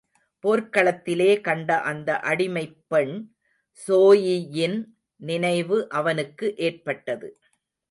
போர்க்ளத்திலே கண்ட அந்த அடிமைப் பெண் ஸோயியின் நினைவு அவனுக்கு ஏற்பட்டது.